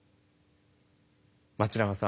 町永さん